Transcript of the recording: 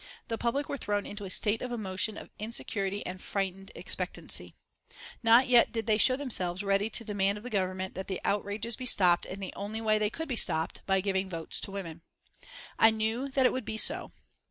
The public were thrown into a state of emotion of insecurity and frightened expectancy. Not yet did they show themselves ready to demand of the Government that the outrages be stopped in the only way they could be stopped by giving votes to women. I knew that it would be so.